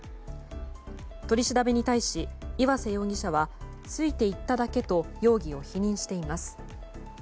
取り調べに対し岩瀬容疑者はついていっただけと容疑を否認しています。